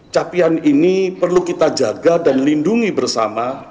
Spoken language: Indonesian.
capaian ini perlu kita jaga dan lindungi bersama